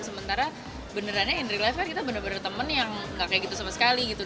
sementara benerannya in relief kan kita bener bener temen yang gak kayak gitu sama sekali gitu